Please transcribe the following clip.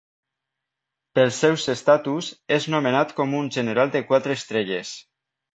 Pels seus estatus, és nomenat com un general de quatre estrelles.